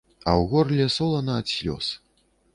А ў горле солана ад слёз.